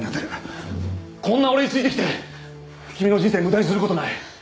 こんな俺についてきて君の人生無駄にする事ない。